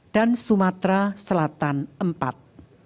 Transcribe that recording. dan sumatera selatan iv